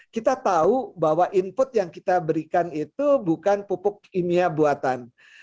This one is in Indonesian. kita tahu bahwa input yang kita berikan itu bukan pupuk kimia buatan